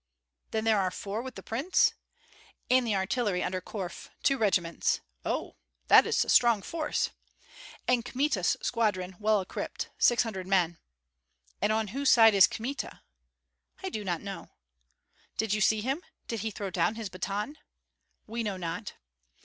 "Then there are four with the prince?" "And the artillery under Korf, two regiments." "Oh, that's a strong force!" "And Kmita's squadron, well equipped, six hundred men." "And on whose side is Kmita?" "I do not know." "Did you not see him? Did he throw down his baton?" "We know not."